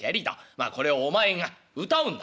まあこれをお前が謡うんだな」。